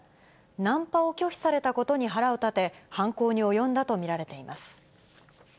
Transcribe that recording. ナンパを拒否されたことに腹を立て、犯行に及んだと見られています。